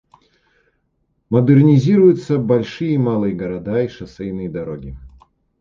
Модернизируются большие и малые города и шоссейные дороги.